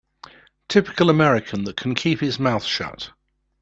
Typical American that can keep his mouth shut.